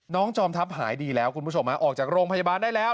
จอมทัพหายดีแล้วคุณผู้ชมออกจากโรงพยาบาลได้แล้ว